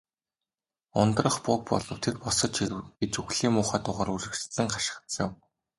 "Ундрах буг болов. Тэр босож ирэв" гэж үхлийн муухай дуугаар үргэлжлэн хашхичив.